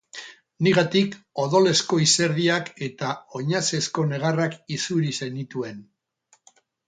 Nigatik odolezko izerdiak eta oinazezko negarrak isuri zenituen.